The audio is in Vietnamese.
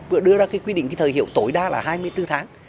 vừa đưa ra quy định thời hiệu tối đa là hai mươi bốn tháng